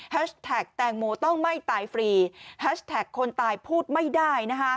แท็กแตงโมต้องไม่ตายฟรีแฮชแท็กคนตายพูดไม่ได้